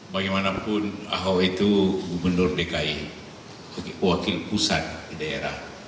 bagaimanapun ahok itu gubernur dki wakil pusat di daerah